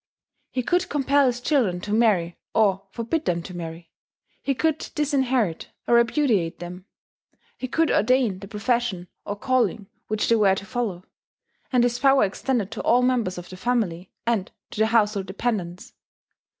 He could compel his children to marry or forbid them to marry; he could disinherit or repudiate them; he could ordain the profession or calling which they were to follow; and his power extended to all members of the family, and to the household dependents.